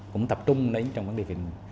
cũng tập trung đến trong vấn đề